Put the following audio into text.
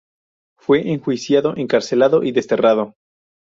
Fue enjuiciado, encarcelado y desterrado.